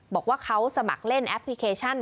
บอกว่าเขาสมัครเล่นแอปพลิเคชัน